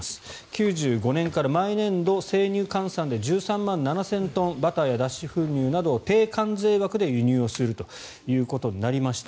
９５年から毎年度生乳換算で１３万７０００トンバターや脱脂粉乳などを低関税額で輸入するということになりました。